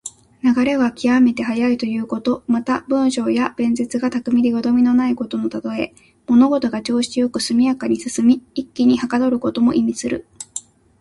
流れが極めて速いということ。また、文章や弁舌が巧みでよどみのないことのたとえ。物事が調子良く速やかに進み、一気にはかどることも意味する。